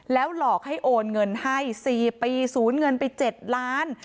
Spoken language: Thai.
แล้วหลอกให้โอนเงินให้สี่ปีสูญเงินไปเจ็ดล้าน